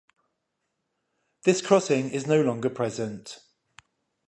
This crossing is no longer present.